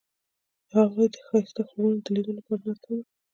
هغوی د ښایسته خوبونو د لیدلو لپاره ناست هم وو.